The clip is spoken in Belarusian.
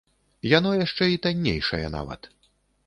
Яно яшчэ і таннейшае нават.